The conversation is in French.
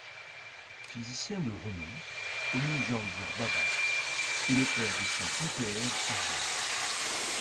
Physicien de renom, Homi Jehangir Bhabha est le père des sciences nucléaires en Inde.